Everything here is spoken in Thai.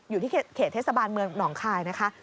อยู่ที่เขตเทศบาลเมืองหนองคายนะคะ